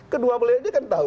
kedua beliau ini kan tahu